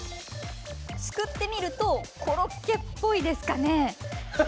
すくってみるとコロッケっぽいですかね？